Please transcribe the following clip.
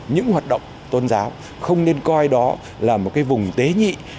những hoạt động tôn giáo không nên coi đó là một cái vùng tế nhị